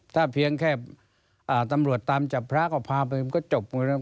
ถ้าเพียงแค่ตำรวจตามจับพระก็พาไปมันก็จบไง